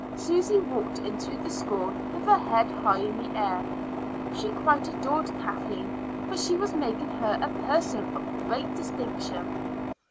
Susy walked into the school with her head high in the air; she quite adored Kathleen, for she was making her a person of great distinction.